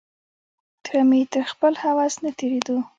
تره مې تر خپل هوس نه تېرېدو.